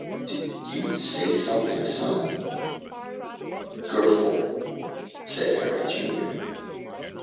"Did you say something, son?" "Gurfle," said Harry Junior.